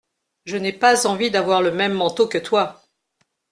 Je n’ai pas envie d’avoir le même manteau que toi.